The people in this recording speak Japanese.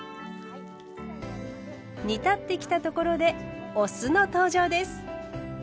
煮立ってきたところでお酢の登場です。